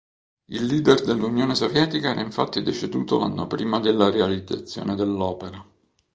Il leader dell'Unione Sovietica era infatti deceduto l'anno prima della realizzazione dell'opera.